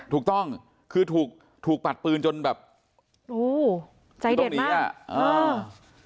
ถูกต้องคือถูกปัดปืนจนแบบโอ้วใจเด็ดมากต้องหนีอ่ะ